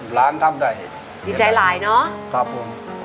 หลานทำใดดีใจหลายเนาะครับผม